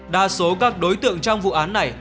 đa số các đối tượng trong vụ án này